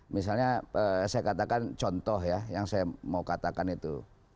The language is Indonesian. misalnya saya katakan contoh ya yang saya mau katakan itu